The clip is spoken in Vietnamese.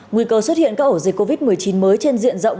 nguy cơ xuất hiện các ổ dịch covid một mươi chín mới trên diện rộng